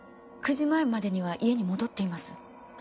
９時前までには家に戻っています。